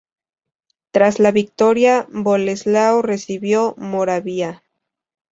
Tras la victoria, Boleslao recibió Moravia.